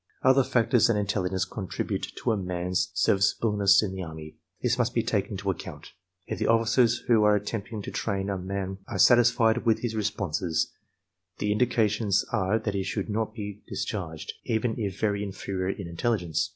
Other factors than intelligence contribute to a man's serviceableness in the Army. These must be taken into account. If the officers who are attempting to train a man are satisfied with his responses, the indications are that he should not be discharged, even if very inferior in intelligence.